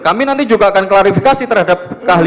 kami nanti juga akan klarifikasi terhadap keahlian